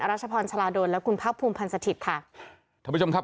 รัชพรชลาดลและคุณภาคภูมิพันธ์สถิตย์ค่ะท่านผู้ชมครับ